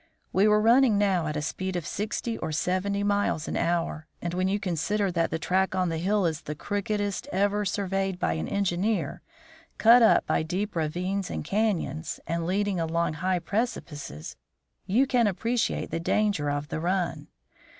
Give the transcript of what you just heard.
We were running now at a speed of sixty or seventy miles an hour, and when you consider that the track on the hill is the crookedest ever surveyed by an engineer, cut up by deep ravines and canyons, and leading along high precipices, you can appreciate the danger of the run.